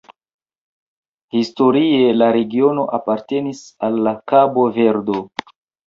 Historie la regiono apartenis al la Kabo-Verdo.